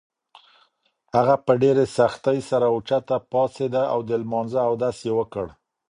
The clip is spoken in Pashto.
هغه په ډېرې سختۍ سره اوچته پاڅېده او د لمانځه اودس یې وکړ.